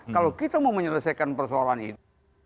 kalau kita mau menyelesaikan persoalan ini